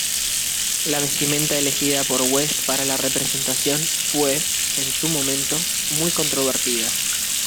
La vestimenta elegida por West para la representación fue, en su momento, muy controvertida.